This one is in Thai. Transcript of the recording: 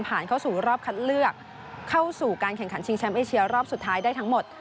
เข้าสู่รอบคัดเลือกเข้าสู่การแข่งขันชิงแชมป์เอเชียรอบสุดท้ายได้ทั้งหมด